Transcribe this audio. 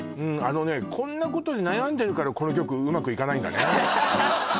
あのねこんなことで悩んでるからこの局うまくいかないんだね